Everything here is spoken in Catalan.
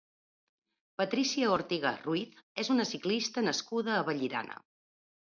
Patricia Ortega Ruiz és una ciclista nascuda a Vallirana.